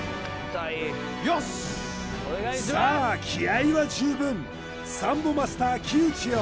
さあ気合いは十分サンボマスター木内よ